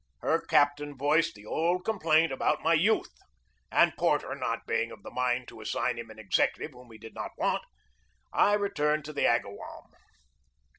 Her captain voiced the old com plaint about my youth, and Porter not being of the mind to assign him an executive whom he did not want, I returned to the Agawam.